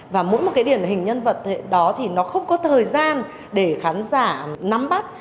và mỗi một cái điển hình nhân vật đó thì nó không có thời gian để khán giả nắm bắt